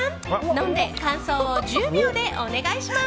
飲んで感想を１０秒で、お願いします。